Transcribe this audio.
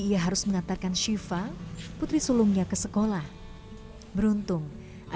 ia harus mengantarkan syifa putri sulungnya ke sekolah beruntung ada motor pintar yang berguna untuk mengembangkan ke rumah